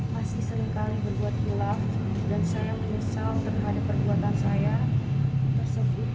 masih seringkali berbuat hilaf dan saya menyesal terhadap perbuatan saya tersebut